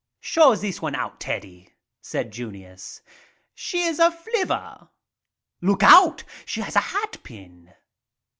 "Show this one out, Teddy," said Junius. "She is a flivver ! Look out, she has a hatpin."